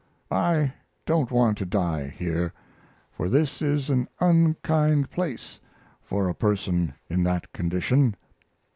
I don't want to die here, for this is an unkind place for a person in that condition.